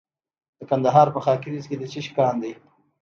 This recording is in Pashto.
د کندهار په خاکریز کې د څه شي کان دی؟